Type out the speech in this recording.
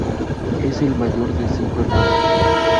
Es el mayor de cinco hermanos.